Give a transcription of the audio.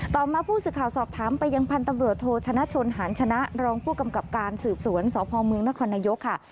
ต่อมาผู้สื่อข่าวสอบถามไปยังพันธุ์ตำรวจโทชนะชนหารชนะรองผู้กำกับการสืบสวนสพเมืองนครนายกค่ะ